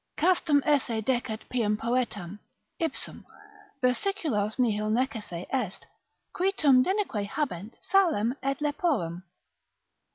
Castum esse decet pium poetam Ipsum, versiculos nihil necesse est, Qui tum denique habent salem et leporem.